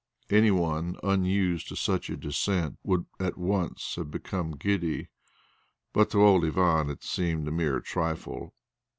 Any one unused to such a descent would at once have become giddy, but to old Ivan it seemed a mere trifle.